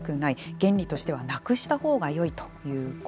原理としてはなくしたほうがよいという声。